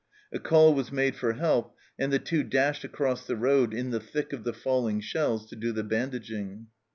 A call was made for help, and the Two dashed across the road in the thick of the falling shells to do the bandaging.